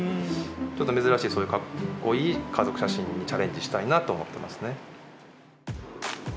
ちょっと珍しいかっこいい家族写真にチャレンジしたいなと思ってますね。